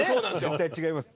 絶対違います。